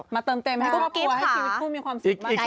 มาเติมเต็มให้พ่อพ่อให้ชีวิตคู่มีความสุขมาก